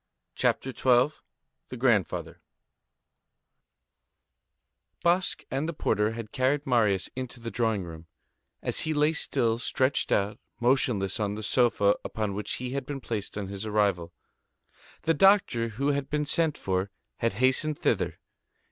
CHAPTER XII—THE GRANDFATHER Basque and the porter had carried Marius into the drawing room, as he still lay stretched out, motionless, on the sofa upon which he had been placed on his arrival. The doctor who had been sent for had hastened thither.